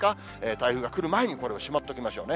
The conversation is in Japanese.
台風が来る前にこれをしまっておきましょうね。